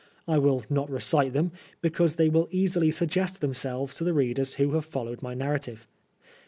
I will not recite them, because they will easily suggest themselves to the readers who have followed my narrative.